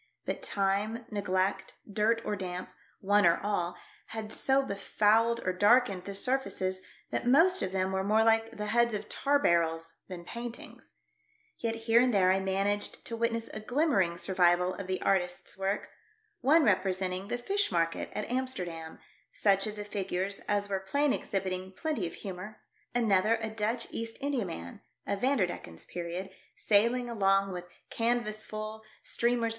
But time, neglect, dirt or damp — one or all — had so befouled or darkened the surfaces that most of them were more like the heads of tar barrels than paint ings. Yet here and there I managed to witness a glimmering survival of the artist's work ; one representing the fish market at Amsterdam, such of the figures as were plain exhibiting plenty of humour ; another a Dutch East Indiaman, of Vanderdecken's period, sailing alon^;' with canvas full, iitreamers I HOLD A CONVERSATIOxN WITH THE CREW.